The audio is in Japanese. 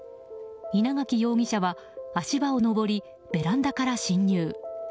稲垣容疑者は足場を上りベランダから侵入。